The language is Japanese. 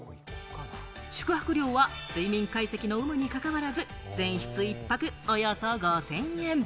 宿泊料は睡眠解析の有無に関わらず、全室１泊およそ５０００円。